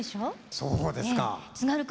そうですか。